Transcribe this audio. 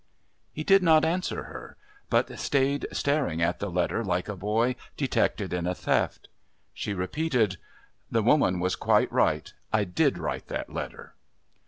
He did not answer her, but stayed staring at the letter like a boy detected in a theft. She repeated: "The woman was quite right. I did write that letter."